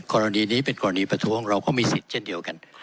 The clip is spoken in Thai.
กรณีนี้เป็นกรณีประท้วงเราก็มีสิทธิ์เช่นเดียวกัน